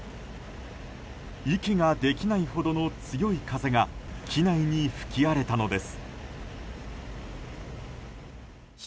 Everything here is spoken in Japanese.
息ができないほどの強い風が機内に吹き荒れたのです。